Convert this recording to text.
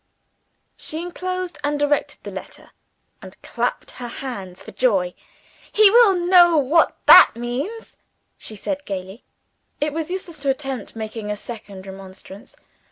She enclosed and directed the letter, and clapped her hands for joy. "He will know what that means!" she said gaily. It was useless to attempt making a second remonstrance.